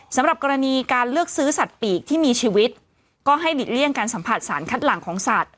สำหรับกรณีการเลือกซื้อสัตว์ปีกที่มีชีวิตก็ให้หลีกเลี่ยงการสัมผัสสารคัดหลังของสัตว